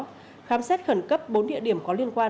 khi đó khám xét khẩn cấp bốn địa điểm có liên quan